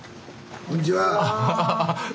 こんにちは。